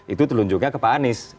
itu telunjuknya ke pak anies